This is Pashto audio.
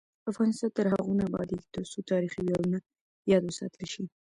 افغانستان تر هغو نه ابادیږي، ترڅو تاریخي ویاړونه یاد وساتل شي.